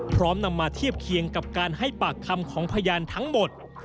นำมาเทียบเคียงกับการให้ปากคำของพยานทั้งหมด